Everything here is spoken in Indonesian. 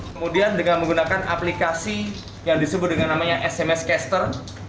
kemudian dengan menggunakan aplikasi yang disebut dengan namanya sms caster